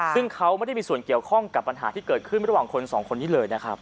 ซึ่งเขาไม่ได้มีส่วนเกี่ยวข้องกับปัญหาที่เกิดขึ้นระหว่างคนสองคนนี้เลยนะครับ